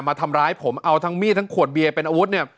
มาทำร้ายผมเอาทั้งมีดทั้งขวดเบียร์เป็นอาวุธเนี่ย